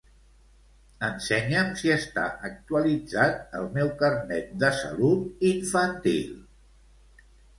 Ensenya'm si està actualitzat el meu Carnet de salut infantil.